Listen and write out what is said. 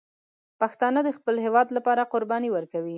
پښتانه د خپل هېواد لپاره قرباني ورکوي.